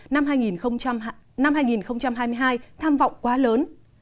năm hai nghìn hai mươi hai tham vọng quá lớn